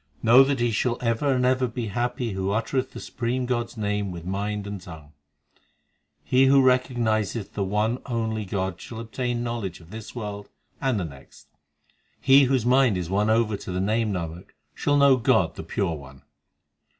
Know that he shall ever and ever be happy Who uttereth the Supreme God s name with mind and tongue. He who recognizeth the one only God Shall obtain knowledge of this world and the next. He whose mind is won over to the Name, Nanak, shall know God the Pure One.